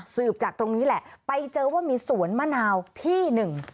จากตรงนี้แหละไปเจอว่ามีสวนมะนาวที่หนึ่ง